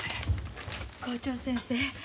校長先生